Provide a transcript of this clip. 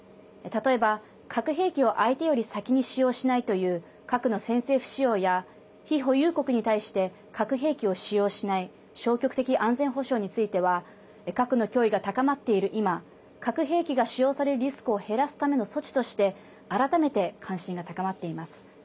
例えば、核兵器を相手より先に使用しないという核の先制不使用や非保有国に対して核兵器を使用しない消極的安全保障については核の脅威が高まっている今核兵器が使用されるリスクを減らすための措置として改めて関心が高まっています。